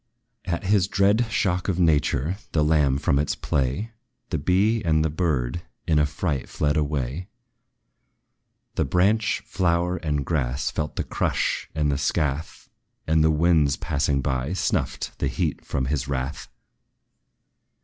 At his dread shock of nature, the lamb from its play, The bee and the bird, in affright fled away; The branch, flower, and grass, felt the crush and the scath, And the winds passing by, snuffed the heat of his wrath.